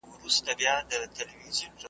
د هغه قام به خاوري په سر وي .